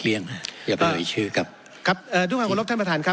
เอ๋ยชื่อกับครับเอ่อทุกคนควรรับท่านประธานครับ